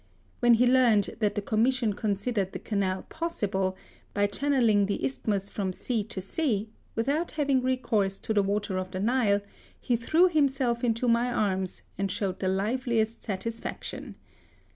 When he learned that the Com mission considered the canal possible, by THE SUEZ CANAL. 31 channelling the isthmus from sea to sea^ without having recourse to the water of the Nile, he threw himself into my arms, and showed the liveliest satisfaction.